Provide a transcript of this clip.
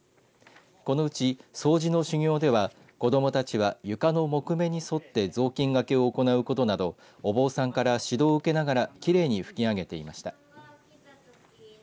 このうち掃除の修行では子どもたちは床の木目に沿って雑巾がけを行うことなどお坊さんから指導を受けながらきれいに拭き上げていました。